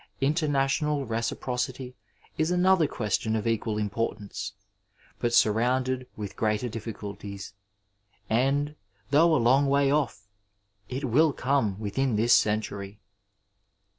International reciprocity is another ques tion of equal importance, but surrounded with greater difSoulties ; and, though a long way ofE, it will come within this century.